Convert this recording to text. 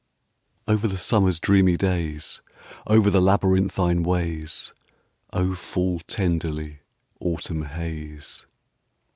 VER the summer's dreamy days, Over the labyrinthine ways, O, fall tenderly, autumn haze